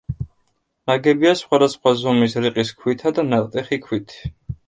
ნაგებია სხვადასხვა ზომის რიყის ქვითა და ნატეხი ქვით.